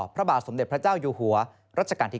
พระบาทสมเด็จพระเจ้าอยู่หัวรัชกาลที่๙